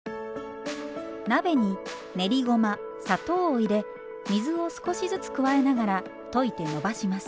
鍋に練りごま砂糖を入れ水を少しずつ加えながら溶いてのばします。